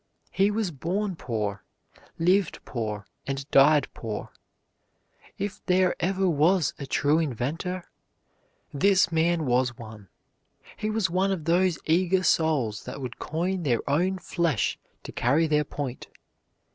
He was born poor, lived poor, and died poor. If there ever was a true inventor, this man was one. He was one of those eager souls that would coin their own flesh to carry their point.